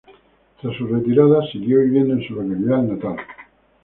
Tras su retirada siguió viviendo en su localidad natal.